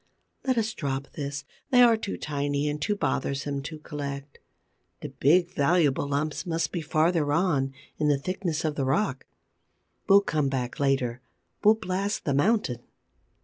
Let us drop this: they are too tiny and too bothersome to collect. The big, valuable lumps must be farther on, in the thickness of the rock. We'll come back later; we'll blast the mountain.